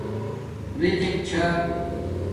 رزق چھݳ